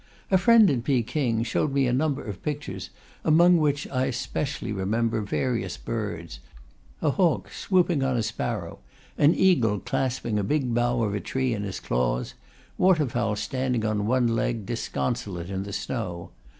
A friend in Peking showed me a number of pictures, among which I specially remember various birds: a hawk swooping on a sparrow, an eagle clasping a big bough of a tree in his claws, water fowl standing on one leg disconsolate in the snow.